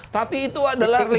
tapi itu adalah ring ring